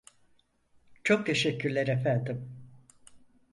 Çok teşekkürler efendim.